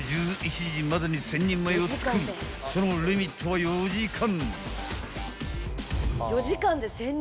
［そのリミットは４時間］